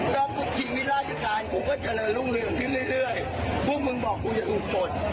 ต้องกดชีวิตรราชการกูก็เจริญรุ่งเรือดทิ้งเรื่อยเรื่อยพวกมึงบอกกูอย่าถูกปฏิ